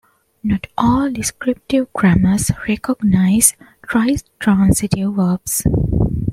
Not all descriptive grammars recognize tritransitive verbs.